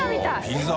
ピザ！